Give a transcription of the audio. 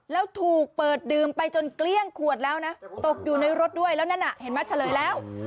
แล้วถูกเปิดดื่มไปจนเกลี้ยงขวดแล้วนะตกอยู่ในรถด้วยแล้วนั่นน่ะเห็นไหมเฉลยแล้ว